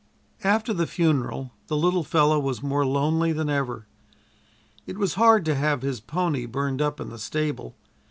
After the funeral the little fellow was more lonely than ever. It was hard to have his pony burned up in the stable.